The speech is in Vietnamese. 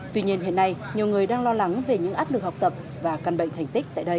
tuy nhiên hiện nay nhiều người đang lo lắng về những áp lực học tập và căn bệnh thành tích tại đây